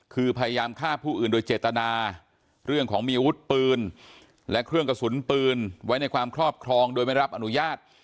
คือพยายามฆ่าผู้อื่นโดยเจตนาเรื่องของมีอาวุธปืนและเครื่องกระสุนปืนไว้ในความครอบครองโดยไม่รับอนุญาต